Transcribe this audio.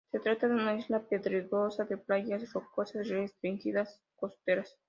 Se trata de una isla pedregosa, de playas rocosas y restingas costeras.